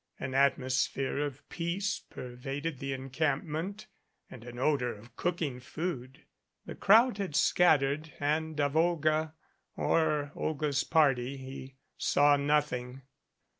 An atmosphere of peace pervaded the encampment and an odor of cooking food. The crowd had scattered and of Olga, or Olga's party, he saw nothing.